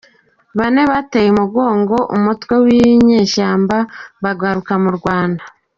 Bane bateye umugongo umutwe winyeshyamba bagaruka mu Rwanda